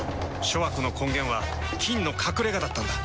諸悪の根源は「菌の隠れ家」だったんだ。